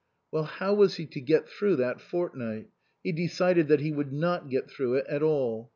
Well, how was he to get through that fort night? He decided that he would not get through it at all.